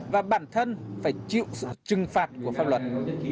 và bản thân phải chịu sự trừng phạt của pháp luật